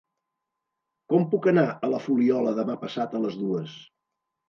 Com puc anar a la Fuliola demà passat a les dues?